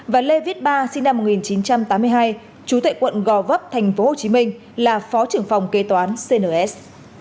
và lê viết ba sinh năm một nghìn chín trăm tám mươi hai chú tại quận gò vấp tp hcm là phó trưởng phòng kế toán cns